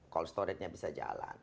cold storage nya bisa jalan